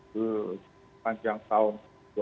sepanjang tahun dua ribu dua puluh